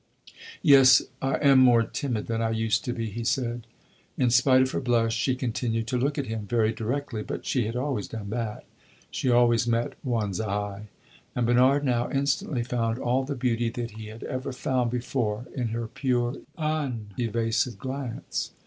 "Yes, I am more timid than I used to be," he said. In spite of her blush, she continued to look at him very directly; but she had always done that she always met one's eye; and Bernard now instantly found all the beauty that he had ever found before in her pure, unevasive glance.